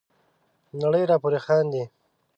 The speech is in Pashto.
نړۍ را پوري خاندي.